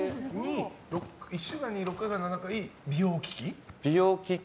１週間に６回から７回美容機器？